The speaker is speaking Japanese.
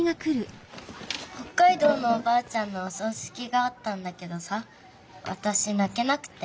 北海道のおばあちゃんのおそうしきがあったんだけどさわたしなけなくて。